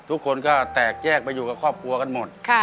ทุกคนก็แตกแยกไปอยู่กับครอบครัวกันหมด